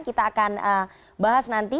kita akan bahas nanti